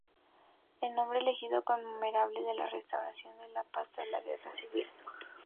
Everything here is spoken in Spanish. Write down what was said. El nombre elegido conmemoraba la restauración de la paz tras la guerra civil.